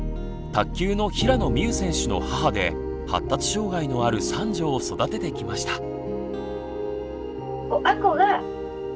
卓球の平野美宇選手の母で発達障害のある三女を育ててきました。